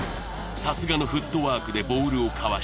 さすがのフットワークでボールをかわし